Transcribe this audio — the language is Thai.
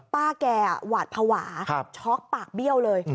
ป้าแกหวาดภาวะช็อกปากเบี้ยวเลย